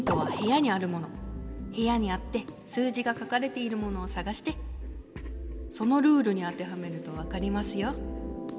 部屋にあって数字が書かれているものをさがしてそのルールに当てはめると分かりますよ。